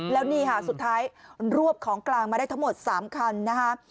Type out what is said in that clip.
แล้วนี่ค่ะสุดท้ายรวบของกลางมาได้ทั้งหมด๓คันนะคะ